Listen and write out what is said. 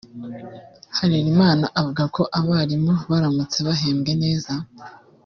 Harerimana avuga ko abarimu baramutse bahembwe neza